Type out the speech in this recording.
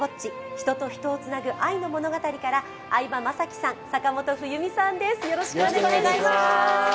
人と人とをつなぐ愛の物語から、相葉雅紀さん、坂本冬美さんです。